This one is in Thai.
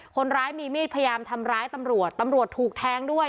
คนร้ายมีมีดพยายามทำร้ายตำรวจตำรวจถูกแทงด้วย